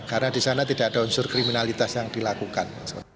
karena di sana tidak ada unsur kriminalitas yang dilakukan